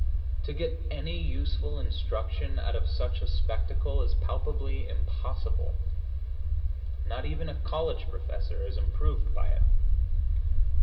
To get any useful instruction out of such a spectacle is palpably impossible; not even a college professor is improved by it.